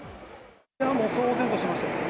もう騒然としてましたよ。